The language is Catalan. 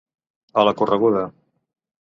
A la correguda.